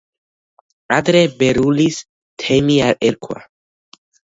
ადრე ბერულის თემი ერქვა.